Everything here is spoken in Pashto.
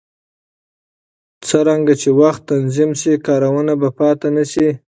څرنګه چې وخت تنظیم شي، کارونه به پاتې نه شي.